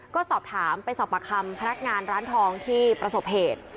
ก็สอบถามไปสอบประคำพนักงานร้านทองที่ประสบเหตุ